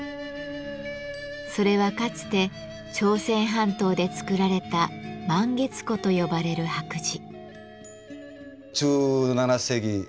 それはかつて朝鮮半島で作られた「満月壺」と呼ばれる白磁。